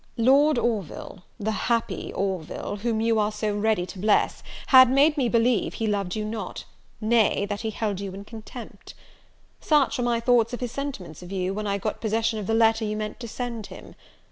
"Lord Orville, the happy Orville, whom you are so ready to bless, had made me believe he loved you not; nay, that he held you in contempt. "Such were my thoughts of his sentiments of you, when I got possession of the letter you meant to send him.